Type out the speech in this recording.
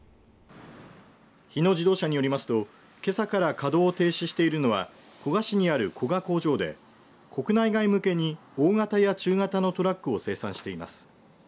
日野自動車によりますとけさから稼働を停止しているのは古河市にある古河工場で国内外向けに大型や中型のトラックを生産しています。